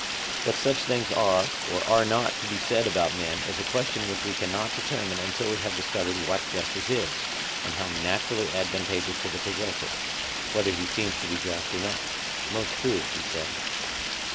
That such things are or are not to be said about men is a question which we cannot determine until we have discovered what justice is, and how naturally advantageous to the possessor, whether he seem to be just or not. Most true, he said.